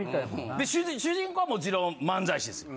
で主人公はもちろん漫才師です。